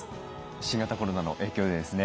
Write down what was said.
新型コロナの影響でですね